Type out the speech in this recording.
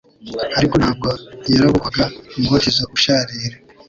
ariko ntabwo yarabukwaga umubatizo usharira,